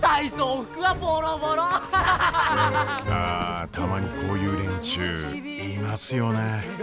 あたまにこういう連中いますよね。